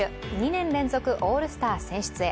２年連続オールスター選出へ。